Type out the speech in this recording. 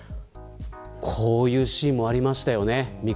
こういうシーンもありましたよね。